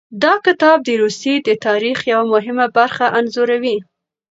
دا کتاب د روسیې د تاریخ یوه مهمه برخه انځوروي.